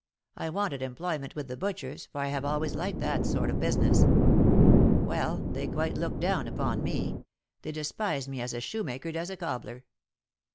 I wanted employment with the butchers, for I have always liked that sort of business. Well, they quite looked down upon me; they despised me as a shoemaker does a cobbler.